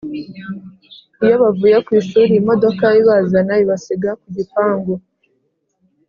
iyo bavuye kwishuri imodoka ibazana ibasiga kugipangu